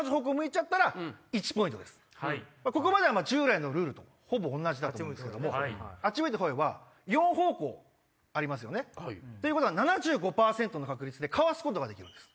ここまでは従来のルールとほぼ同じだと思いますけどもあっち向いてホイは４方向ありますよね？ということは７５％の確率でかわすことができるんです。